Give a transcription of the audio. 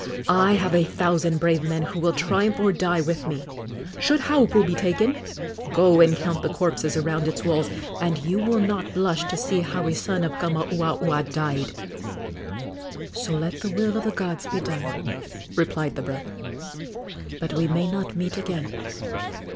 I have a thousand brave men who will triumph or die with me. Should Haupu be taken, go and count the corpses around its walls, and you will not blush to see how a son of Kamauaua died!" "So let the will of the gods be done!" replied the brother. "But we may not meet again."